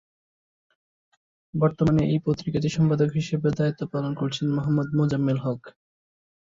বর্তমানে এই পত্রিকাটির সম্পাদক হিসেবে দায়িত্ব পালন করছেন মোহাম্মদ মোজাম্মেল হক।